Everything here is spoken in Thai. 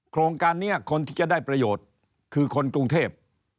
โครงการนี้คนที่จะได้ประโยชน์คือคนกรุงเทพ